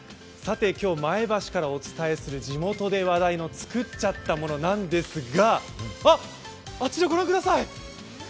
今日、前橋からお伝えする地元で話題のつくっちゃったものなんですが、あ、あちら御覧ください。